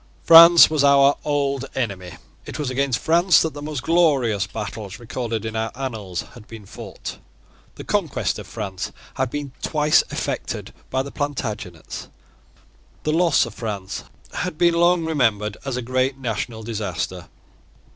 France was our old enemy. It was against France that the most glorious battles recorded in our annals had been fought. The conquest of France had been twice effected by the Plantagenets. The loss of France had been long remembered as a great national disaster.